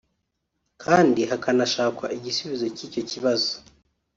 kandi hakanashakwa igisubizo cy’icyo kibazo